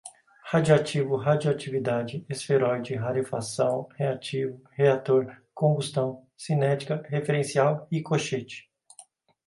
radioativo, radioatividade, esferoide, rarefação, reativo, reator, combustão, cinética, referencial, ricochete